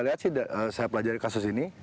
lihat sih saya pelajari kasus ini